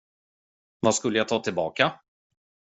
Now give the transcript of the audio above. Vad skulle jag ta tillbaka?